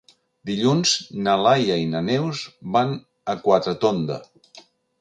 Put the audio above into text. Dilluns na Laia i na Neus van a Quatretonda.